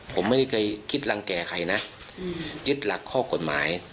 ผมไม่ได้เคยคิดรังแก่ใครนะยึดหลักข้อกฎหมาย